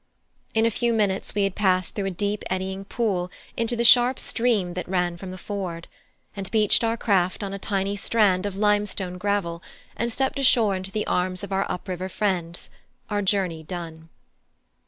In a few minutes we had passed through a deep eddying pool into the sharp stream that ran from the ford, and beached our craft on a tiny strand of limestone gravel, and stepped ashore into the arms of our up river friends, our journey done.